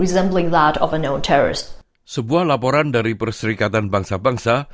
sebuah laporan dari perserikatan bangsa bangsa